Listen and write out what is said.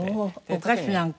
お菓子なんかは？